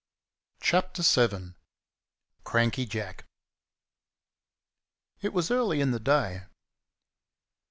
Chapter VII. Cranky Jack. It was early in the day.